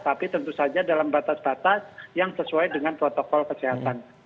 tapi tentu saja dalam batas batas yang sesuai dengan protokol kesehatan